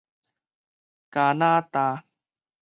加拿大